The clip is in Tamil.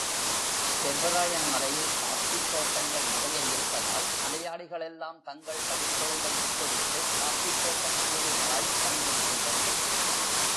சேர்வராயன் மலையில் காஃபித் தோட்டங்கள் நிறைய இருப்பதால், மலையாளிகளெல்லாம் தங்கள் பயிர்த் தொழிலைவிட்டு விட்டுக் காஃபித்தோட்டக் கூலிகளாய்ப் பணிபுரிகின்றனர்.